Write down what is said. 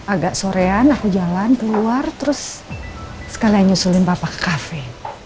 agak sorean aku jalan keluar terus sekalian nyusulin bapak ke kafe